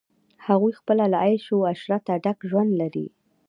هغوی خپله له عیش و عشرته ډک ژوند لري.